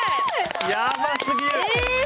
やばすぎる！